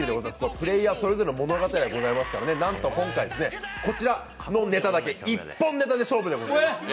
プレーヤーそれぞれの物語がありますからなんと今回こちらのネタだけ一本ネタで勝負します。